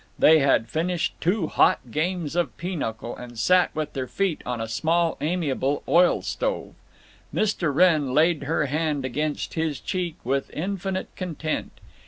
They had finished two hot games of pinochle, and sat with their feet on a small amiable oil stove. Mr. Wrenn laid her hand against his cheek with infinite content.